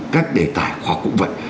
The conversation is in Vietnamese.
các đề tài khoa học cũng vậy